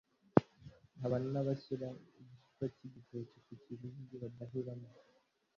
Haba n’abashyira igishishwa cy’igitoki ku kibindi badahiramo